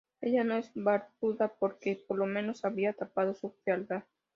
Ella no es barbuda, porque por lo menos habría tapado su fealdad.